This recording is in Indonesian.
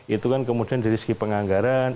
itu kan kemudian dari segi penganggaran